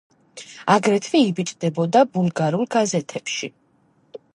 აგრეთვე იბეჭდებოდა ბულგარულ გაზეთებში.